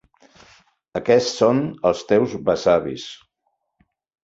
Aquest són els teus besavis.